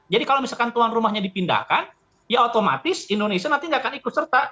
jadi kalau misalkan tuan rumahnya dipindahkan ya otomatis indonesia nanti nggak akan ikut serta